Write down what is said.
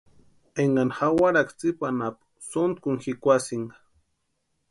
Énkani jawaraka tsipa anapu sontku jikwasïnka.